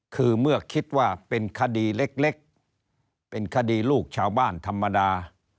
คือเมื่อคิดว่าเป็นคดีเล็กเป็นคดีลูกชาวบ้านธรรมดา